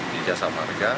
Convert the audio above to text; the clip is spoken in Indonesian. di jasa marga